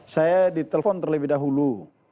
saya ditelepon terlebih dahulu